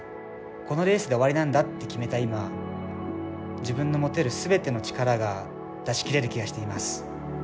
このレースで終わりなんだって決めた今、自分の持てるすべての力が出しきれる気がしています。